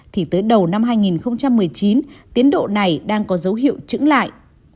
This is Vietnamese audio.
thì tới đầu năm hai nghìn một mươi chín tiến độ này đang có dấu hiệu trứng lại